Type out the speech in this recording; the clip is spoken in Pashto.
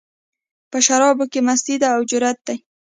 په شرابو کې مستي ده، او جرت دی